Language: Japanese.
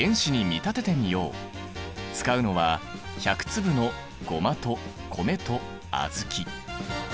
使うのは１００粒のゴマと米と小豆。